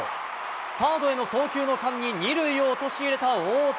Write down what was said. サード送球の間に２塁を陥れた大谷。